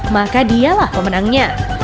maka dialah pemenangnya